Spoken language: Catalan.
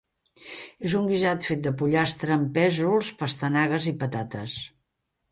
És un guisat fet de pollastre amb pèsols, pastanagues i patates.